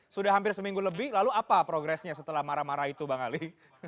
sudah hampir seminggu lebih lalu apa progresnya setelah marah marah itu bang ali